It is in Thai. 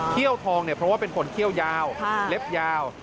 ทองเนี่ยเพราะว่าเป็นคนเขี้ยวยาวเล็บยาว